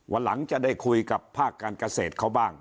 วันหลังจะได้คุยกับภาคการเกษตรเขาบ้าง